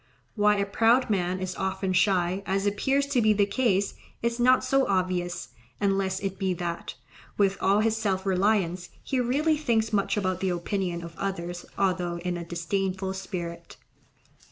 Why a proud man is often shy, as appears to be the case, is not so obvious, unless it be that, with all his self reliance, he really thinks much about the opinion of others although in a disdainful spirit.